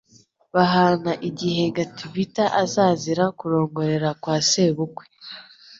bahana igihe Gatibita azazira kurongorera kwa Sebukwe